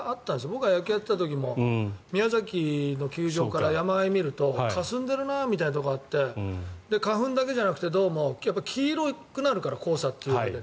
僕が野球やってた頃も宮崎の球場から山あいを見るとかすんでいるなみたいなところがあって花粉だけじゃなくてどうも、黄色くなるから黄砂っていうので。